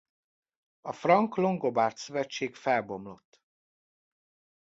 A frank–longobárd szövetség felbomlott.